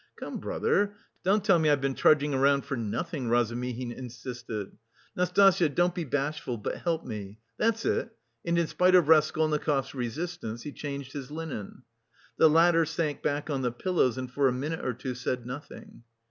"Come, brother, don't tell me I've been trudging around for nothing," Razumihin insisted. "Nastasya, don't be bashful, but help me that's it," and in spite of Raskolnikov's resistance he changed his linen. The latter sank back on the pillows and for a minute or two said nothing.